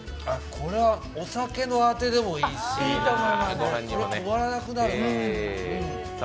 あっ、これはお酒のあてでもいいし止まらなくなる。